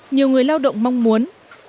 nhiều người lao động mong muốn